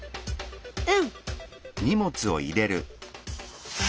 うん。